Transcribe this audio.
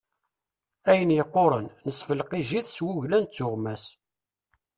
Ayen yeqquṛen, nesfelqij-it s wuglan d tuɣmas.